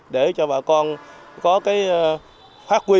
để cho bà con có cái phát huy